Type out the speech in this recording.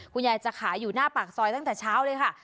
ยายจะขายอยู่หน้าปากซอยตั้งแต่เช้าเลยค่ะ